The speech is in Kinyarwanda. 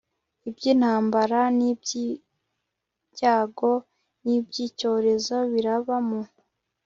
iby intambara n iby ibyago n iby icyorezo biraba mu